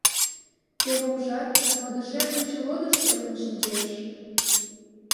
Теве ужат: модышет гыч лодыш лектын шинчеш.